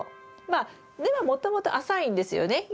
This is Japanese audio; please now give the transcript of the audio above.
まあ根はもともと浅いんですよね